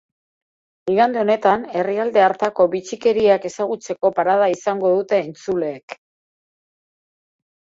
Igande honetan herrialde hartako bitxikeriak ezagutzeko parada izango dute entzuleek.